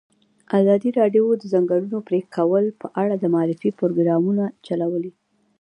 ازادي راډیو د د ځنګلونو پرېکول په اړه د معارفې پروګرامونه چلولي.